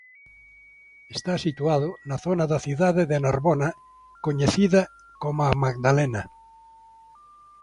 Está situado na zona da cidade de Narbona coñecida coma a Magdalena.